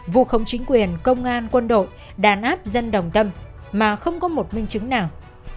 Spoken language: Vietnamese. vụ không chính quyền công an quân đội đàn áp dân đồng tâm mà không có một minh chứng nào